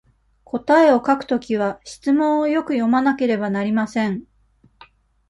答えを書くときは、質問をよく読まなければなりません。